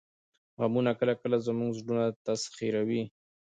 غمونه کله کله زموږ زړونه تسخیروي